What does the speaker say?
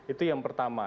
itu yang pertama